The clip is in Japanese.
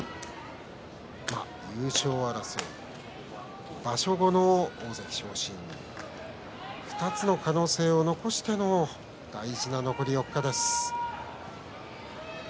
優勝争い、場所後の大関昇進２つの可能性を残しての大事な残り４日です。